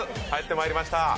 帰ってまいりました。